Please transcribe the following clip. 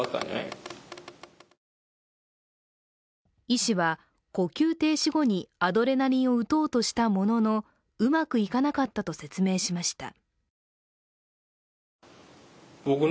医師は呼吸停止後にアドレナリンを打とうとしたもののうまくいかなかったと説明しました。